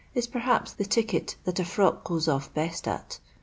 is perhaps the ticket that a frock goes off best at.